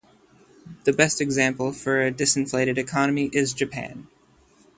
The best example for a disinflated economy is Japan.